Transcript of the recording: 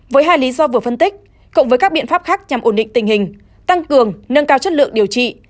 với hai lý do vừa phân tích cộng với các biện pháp khác nhằm ổn định tình hình tăng cường nâng cao chất lượng điều trị